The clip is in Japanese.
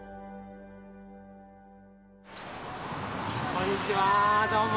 こんにちはどうも。